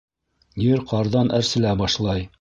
— Ер ҡарҙан әрселә башлай...